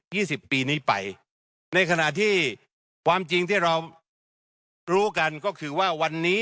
สิบปีนี้ไปในขณะที่ความจริงที่เรารู้กันก็คือว่าวันนี้